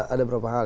ada berapa hal